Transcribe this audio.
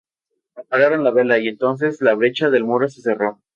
Apagaron la vela y entonces la brecha del muro se cerró.